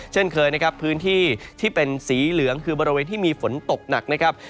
เช่นเคยนะครับพื้นที่ที่เป็นสีเหลืองคือบริเวณที่มีฝนตกหนักนะครับ